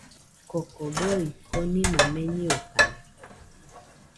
Koko bɨe, konima meniokaina